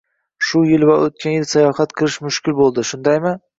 shu yili va oʻtgan yil sayohat qilish mushkul boʻldi, shundaymi?